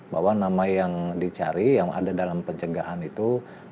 bahwa nama yang dicari yang ada dalam pencegahan itu